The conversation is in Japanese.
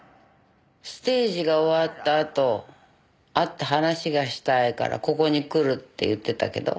ステージが終わったあと会って話がしたいからここに来るって言ってたけど。